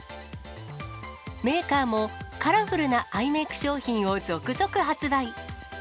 メーカーも、カラフルなアイメーク商品を続々発売。